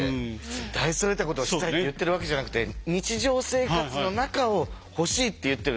大それたことをしたいって言ってるわけじゃなくて日常生活の中を欲しいって言ってる。